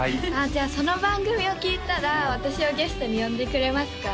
じゃあその番組を聴いたら私をゲストに呼んでくれますか？